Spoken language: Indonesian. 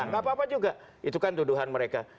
nggak apa apa juga itu kan tuduhan mereka